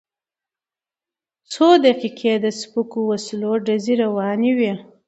څو دقیقې د سپکو وسلو ډزې روانې وې.